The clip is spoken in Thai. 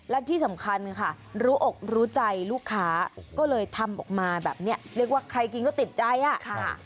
และที่สำคัญค่ะรู้อกรู้ใจลูกค้าก็เลยทำออกมาแบบนี้เรียกว่าใครกินก็ติดใจอ่ะค่ะ